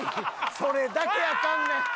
それだけアカンねん。